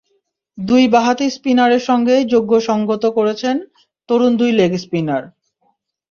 দুই বাঁহাতি স্পিনারের সঙ্গেই যোগ্য সংগত করেছেন তরুণ দুই লেগ স্পিনার।